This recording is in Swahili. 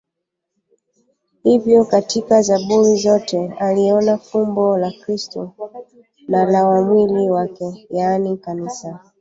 Hivyo katika Zaburi zote aliona fumbo la Kristo na la mwili wake, yaani Kanisa.